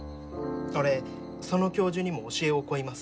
俺その教授にも教えを請います。